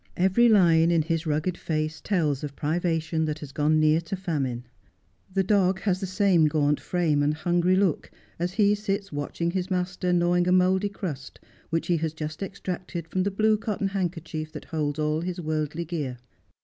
Every line in his rugged face tells of priva tion that has gone near to famine. The dog has the same gaunt frame and hungry look, as he sits watching his master gnawing a mouldy crust which he has just extracted from the blue cotton handkerchief that holds all his worldly gear.